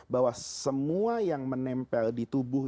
bahwa semua yang menempel di tubuh